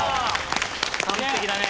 完璧だね。